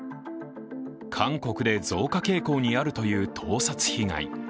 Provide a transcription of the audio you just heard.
韓国で増加傾向にあるという盗撮被害。